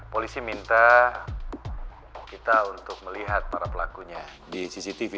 polisi minta kita untuk melihat para pelakunya di cctv